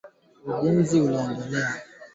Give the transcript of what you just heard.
kilichangia katika kupungua kwa ukuaji wa uchumi